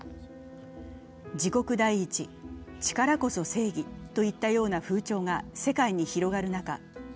自国第一、力こそ正義といったような風潮が世界に広がる中